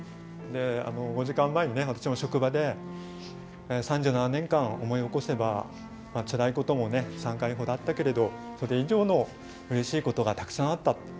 ５時間前に私も職場で３７年間、思い起こせばつらいことも３回ほどあったけれどもそれ以上のうれしいことがたくさんあった。